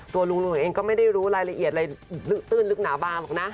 ตัวลุงหนุ่ยเองก็ไม่ได้รู้รายละเอียดอะไรลึกตื้นลึกหนาบาหรอกนะ